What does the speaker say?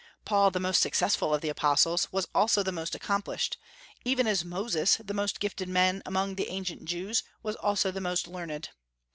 Paul, the most successful of the apostles, was also the most accomplished, even as Moses, the most gifted man among the ancient Jews, was also the most learned.